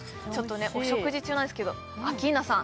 お食事中なんですけどアッキーナさん